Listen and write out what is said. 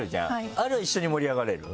あれは一緒に盛り上がれる？